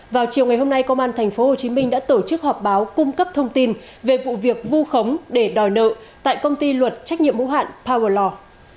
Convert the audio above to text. vào chiều ngày hôm nay công an tp hcm đã tổ chức họp báo cung cấp thông tin về vụ việc vu khống để đòi nợ tại công ty luật trách nhiệm hữu hạn power lò